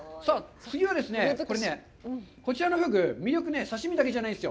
次はですね、こちらのフグ、魅力、刺身だけじゃないんですよ。